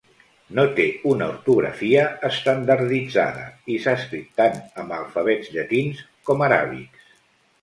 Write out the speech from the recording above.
No té una ortografia estandarditzada, i s'ha escrit tant amb alfabets llatins com aràbics.